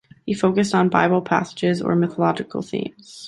He focused on Bible passages or mythological themes.